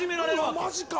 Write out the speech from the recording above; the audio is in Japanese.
あマジか。